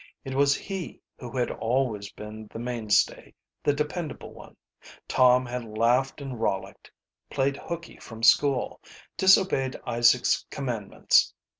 It was he who had always been the mainstay, the dependable one. Tom had laughed and rollicked, played hooky from school, disobeyed Isaac's commandments.